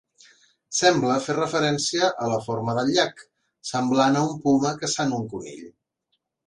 Sembla fer referència a la forma del llac, semblant a un puma caçant un conill.